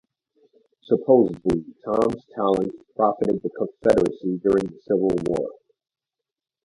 Supposedly, Tom's talents profited the Confederacy during the Civil War.